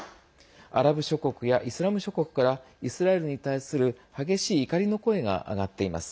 アラブ諸国やイスラム諸国からイスラエルに対する激しい怒りの声が上がっています。